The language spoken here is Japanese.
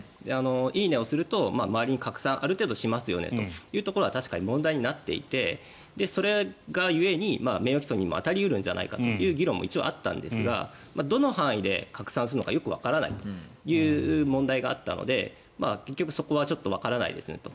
「いいね」をすると周りにある程度拡散しますよねというところは確かに問題になっていてそれが故に名誉毀損にも当たり得るんじゃないかという議論もあったんですがどの範囲で拡散するのかわからないという問題があったので結局そこはわからないですねと。